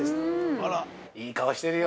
いい顔してるよ。